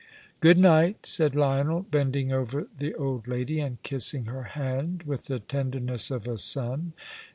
"Goodnight," said Lionel, bending over the old lady, and kissing her hand with the tenderness of a son.